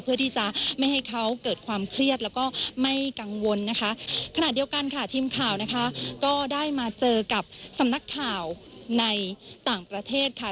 เพื่อที่จะไม่ให้เขาเกิดความเครียดแล้วก็ไม่กังวลนะคะขณะเดียวกันค่ะทีมข่าวนะคะก็ได้มาเจอกับสำนักข่าวในต่างประเทศค่ะ